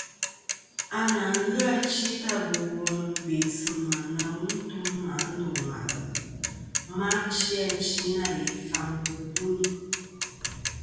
À nà ghɨ achi ta bò wom bê sɨ̂ mà na yi n-nî tum mà a ndô ŋwàʼlɨ, ma chi achi nâ ghè faŋ tɨ̀ buni.